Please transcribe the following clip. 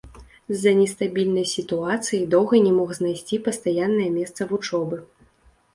З-за нестабільнай сітуацыі доўга не мог знайсці пастаяннае месца вучобы.